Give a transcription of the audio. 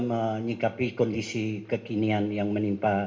menyikapi kondisi kekinian yang menimpa